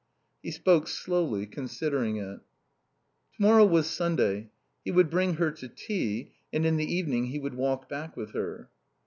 He spoke slowly, considering it. Tomorrow was Sunday. He would bring her to tea, and in the evening he would walk back with her.